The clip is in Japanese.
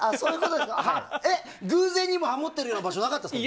偶然にもハモっている場所なかったんですか？